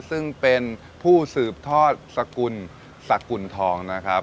ซึ่งเป็นผู้สืบทอดสกุลสกุลทองนะครับ